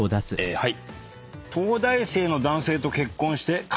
はい。